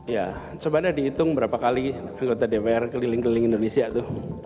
ya coba dihitung berapa kali anggota dpr keliling keliling indonesia tuh